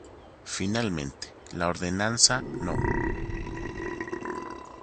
Finalmente, la Ordenanza No.